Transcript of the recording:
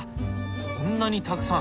こんなにたくさん。